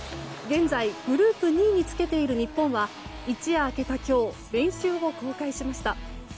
現在、グループ２位につけている日本は一夜明けた今日練習を公開しました。